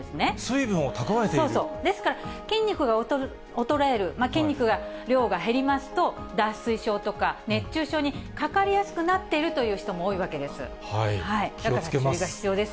そう、ですから筋肉が衰える、筋肉が、量が減りますと、脱水症とか熱中症にかかりやすくなっているという人も多いわけで気をつけます。